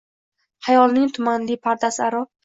Xayolning tumanli pardasi aro